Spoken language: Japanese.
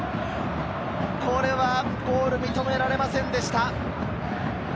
これはゴール認められませんでした。